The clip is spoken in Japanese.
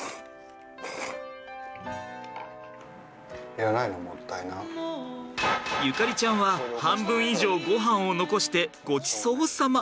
縁ちゃんは半分以上ごはんを残してごちそうさま。